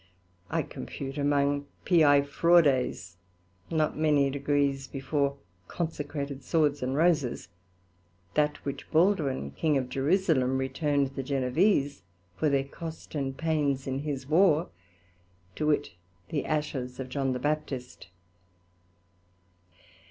I compute among Piæ fraudes, nor many degrees before consecrated Swords and Roses, that which Baldwyn, King of Jerusalem, return'd the Genovese for their cost and pains in his War, to wit, the ashes of John the Baptist.